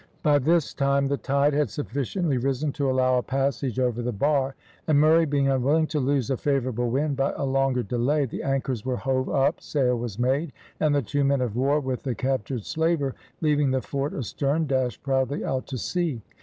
By this time the tide had sufficiently risen to allow a passage over the bar, and Murray being unwilling to lose a favourable wind by a longer delay, the anchors were hove up, sail was made, and the two men of war, with the captured slaver, leaving the fort astern, dashed proudly out to sea.